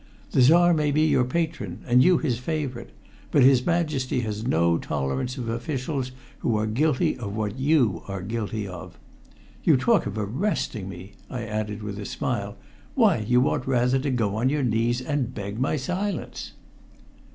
The Czar may be your patron, and you his favorite, but his Majesty has no tolerance of officials who are guilty of what you are guilty of. You talk of arresting me!" I added with a smile. "Why, you ought rather to go on your knees and beg my silence."